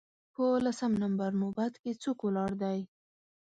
په لسم نمبر نوبت کې څوک ولاړ دی